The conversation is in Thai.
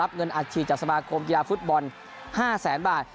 รับเงินอาชีพจากสมาทย์กรมกีฤษฐ์ฟุตบอล๕๐๐๐๐๐บาท